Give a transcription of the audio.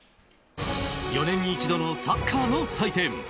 ４年に一度のサッカーの祭典ＦＩＦＡ